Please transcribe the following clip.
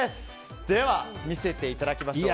では、見せていただきましょう。